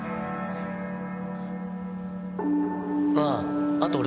ああ。